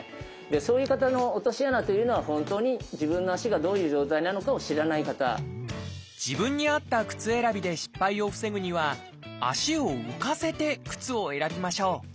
そういう方の落とし穴というのは本当に自分に合った靴選びで失敗を防ぐには足を浮かせて靴を選びましょう。